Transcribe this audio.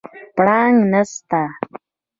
پړانګ نسته